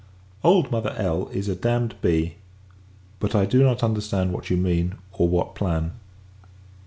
Old Mother L is a damned b : but I do not understand what you mean, or what plan.